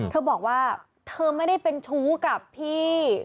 เธอบอกว่าเธอไม่ได้เป็นชู้กับพี่